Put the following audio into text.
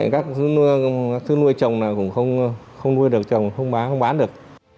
các thứ nuôi chồng cũng không nuôi được chồng không bán được